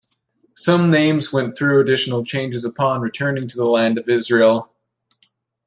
Some names went through additional changes upon returning to the Land of Israel.